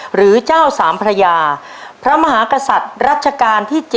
หรือเจ้าสามพระยาพระมหากษัตริย์รัชกาลที่๗